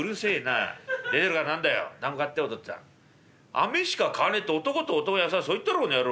「飴しか買わねえって男と男の約束だそう言ったろこの野郎」。